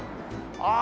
ああ！